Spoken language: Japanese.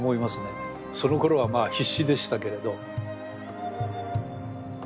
そのころはまあ必死でしたけれど。